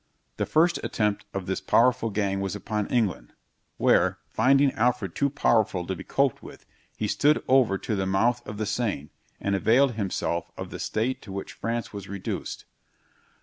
The first attempt of this powerful gang was upon England, where, finding Alfred too powerful to be coped with, he stood over to the mouth of the Seine, and availed himself of the state to which France was reduced.